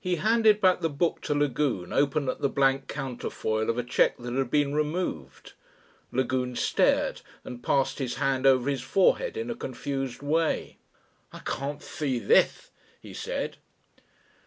He handed back the book to Lagune, open at the blank counterfoil of a cheque that had been removed. Lagune stared and passed his hand over his forehead in a confused way. "I can't see this," he said.